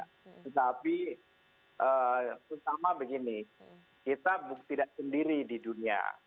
tetapi pertama begini kita tidak sendiri di dunia